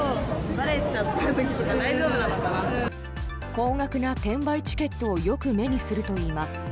高額な転売チケットをよく目にするといいます。